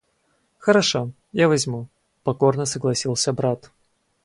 — Хорошо, я возьму, — покорно согласился брат.